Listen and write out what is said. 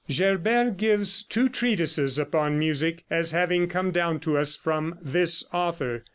Gerbert gives two treatises upon music, as having come down to us from this author.